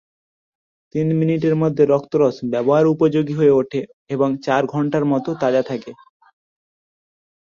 তিন মিনিটের মধ্যে রক্তরস ব্যবহার উপযোগী হয়ে ওঠে এবং চার ঘণ্টার মত তাজা থাকে।